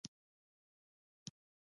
ځوانانو ته پکار ده چې، هنر پرمختګ ورکړي.